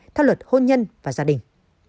theo luật hôn nhân và gia đình